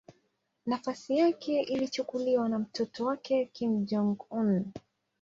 Nafasi yake ilichukuliwa na mtoto wake Kim Jong-un.